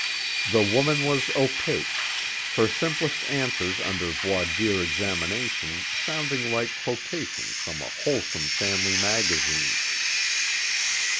The woman was opaque, her simplest answers under voir dire examination sounding like quotations from a wholesome family magazine.